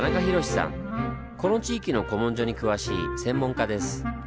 この地域の古文書に詳しい専門家です。